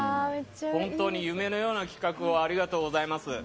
本当に夢のような企画をありがとうございます。